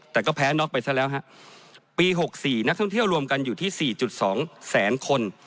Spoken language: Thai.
แต่ก็แพ้น็อกไปซะแล้วฮะปี๖๔นักท่องเที่ยวรวมกันอยู่ที่สี่จุดสองแสนคน